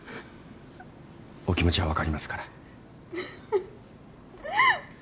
お気持ちは分かりますから。